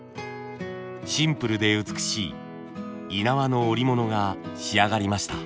シンプルで美しいい縄の織物が仕上がりました。